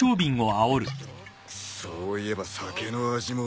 そういえば酒の味も。